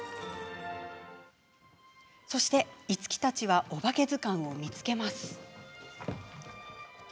そして、一樹たちは「おばけずかん」を見つけます。